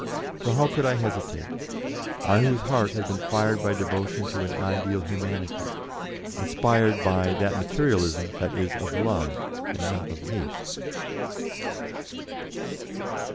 So how could I hesitate I whose heart had been fired by devotion to an ideal Humanity, inspired by that Materialism that is of love and not of hate?